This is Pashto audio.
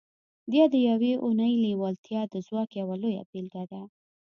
دا د يوې اورنۍ لېوالتیا د ځواک يوه لويه بېلګه ده.